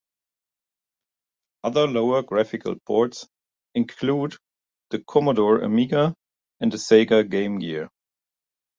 Other lower graphical ports include the Commodore Amiga and the Sega Game Gear.